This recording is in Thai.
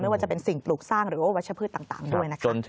ว่าจะเป็นสิ่งปลูกสร้างหรือว่าวัชพืชต่างด้วยนะคะ